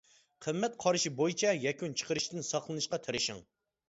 قىممەت قارىشى بويىچە يەكۈن چىقىرىشتىن ساقلىنىشقا تىرىشىڭ.